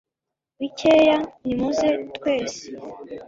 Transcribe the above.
bikeya; nimuze twese